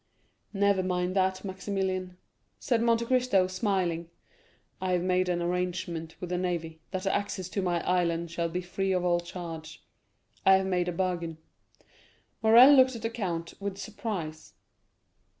"Never mind that, Maximilian," said Monte Cristo, smiling. "I have made an agreement with the navy, that the access to my island shall be free of all charge. I have made a bargain." Morrel looked at the count with surprise.